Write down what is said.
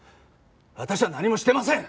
私は何もしてません！